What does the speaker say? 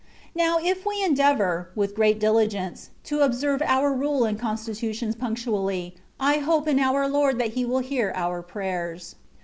Now if we endeavour, with great diUgence, to observe our Rule and Constitutions punctually, I hope in our Lord that He will hear our prayers.